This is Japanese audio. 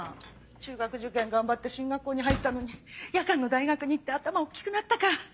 中学受験頑張って進学校に入ったのに夜間の大学に行って頭大っきくなったか。